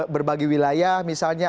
berbagi wilayah misalnya